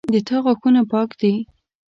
د تا غاښونه پاک دي